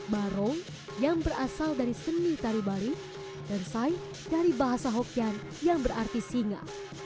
barong yang berasal dari seni taribari dan sai dari bahasa hokyan yang berarti singa